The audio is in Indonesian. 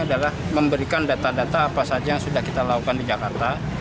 adalah memberikan data data apa saja yang sudah kita lakukan di jakarta